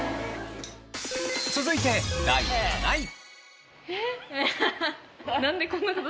続いて第７位。